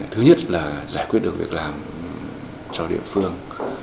thứ nhất là giải quyết được việc làm cho địa phương